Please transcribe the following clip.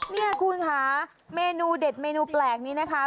นี่คุณค่ะเมนูเด็ดเมนูแปลกนี้นะคะ